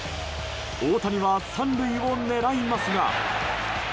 大谷は３塁を狙いますが。